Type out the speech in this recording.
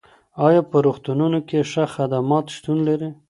ايا په روغتونونو کي ښه خدمات شتون لري؟